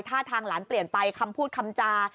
ท่าทางหลานเปลี่ยนไปคำพูดคำจา